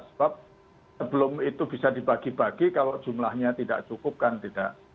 sebab sebelum itu bisa dibagi bagi kalau jumlahnya tidak cukup kan tidak